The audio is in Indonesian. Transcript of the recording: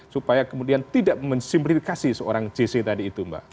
supaya kemudian tidak mensimplifikasi seorang jc tadi itu mbak